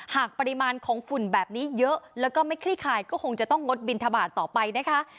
หากปริมาณของฝุ่นแบบนี้เยอะแล้วก็ไม่คลี่คลายก็คงจะต้องงดบินทบาทต่อไปนะคะ